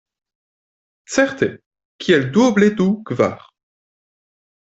Certe, kiel duoble du kvar.